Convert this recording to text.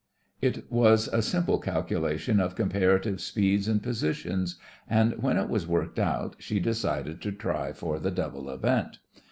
^* It was a simple calculation of com parative speeds and positions, and when it was worked out she decided to try for the double event.